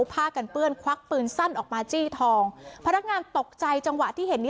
ผ้ากันเปื้อนครควักปืนสั้นออกมาจี้ทองพนักงานตกใจจังหวะที่เห็นนี้